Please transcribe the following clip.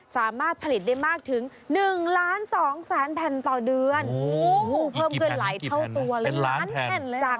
สามารถผลิตได้มากถึง๑๒๐๐๐๐๐แผ่นต่อเดือน